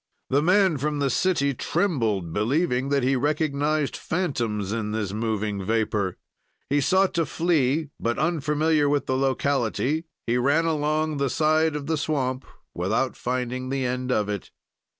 "The man from the city trembled, believing that he recognized fantoms in this moving vapor; he sought to flee, but, unfamiliar with the locality, he ran along the side of the swamp without finding the end of it.